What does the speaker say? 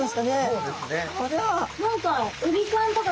そうですね。